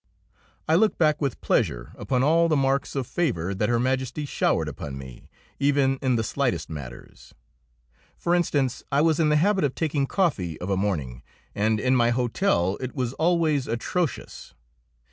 I look back with pleasure upon all the marks of favour that Her Majesty showered upon me, even in the slightest matters. For instance: I was in the habit of taking coffee of a morning, and in my hotel it was always atrocious.